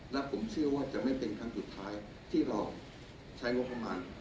และผมเชื่อว่าจะไม่เป็นครั้งสุดท้ายที่เราใช้งบประมาณ